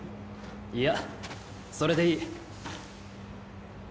いやそれでいい。